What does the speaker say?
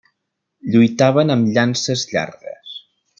Lluitaven amb llances llargues.